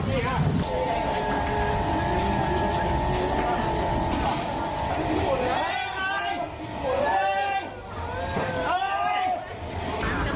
มีมากแล้วผมก็มีค่ะ